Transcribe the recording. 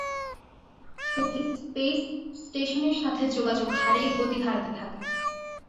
সেটি স্পেস স্টেশনের সাথে যোগাযোগ হারিয়ে গতি হারাতে থাকে।